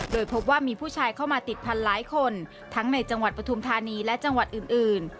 โดยพบว่ามีผู้ชายเข้ามาติดพันหลายคนทั้งในจังหวัดปฐุมธานีและจังหวัดอื่น